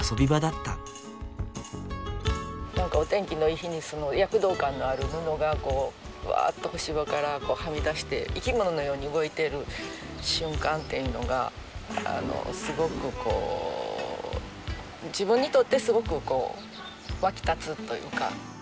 何かお天気の良い日に躍動感のある布がわっと干し場からはみ出して生き物のように動いてる瞬間っていうのがすごくこう自分にとってすごく湧き立つというか。